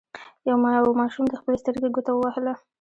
یوه ماشوم د خپلې سترګې ګوته ووهله.